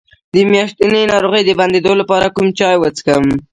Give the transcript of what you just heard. د میاشتنۍ ناروغۍ د بندیدو لپاره کوم چای وڅښم؟